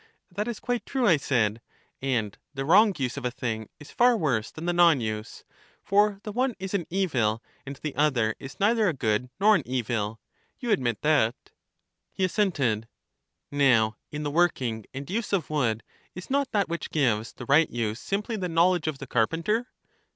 That is quite true, I said. And the wrong use of a thing is far worse than the non use; for the one is an evil, and the other is neither a good nor an evil. You admit that. He assented. EUTHYDEMUS 235 Now in the working and use of wood, is not that which gives the right use simply the knowledge of the carpenter?